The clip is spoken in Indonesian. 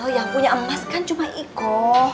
yang punya emas kan cuma iko